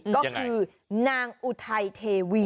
ก็คือนางอุทัยเทวี